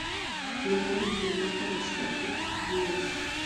Luego firmó con los Cardiff Blues.